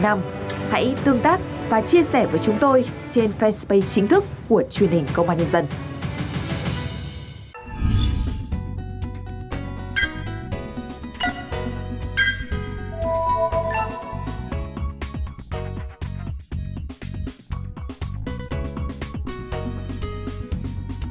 hãy tương tác và chia sẻ với chúng tôi trên facebook chính thức của truyền hình công an nhân dân